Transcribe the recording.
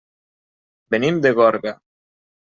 Venim de Gorga.